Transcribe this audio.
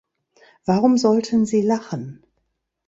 Warum sollten sie lachen?